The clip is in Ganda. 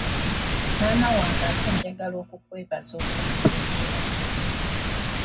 Maama wange ate njagala okukwebaza okumpeerera.